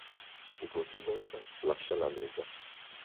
Di conseguenza lascia la Lega.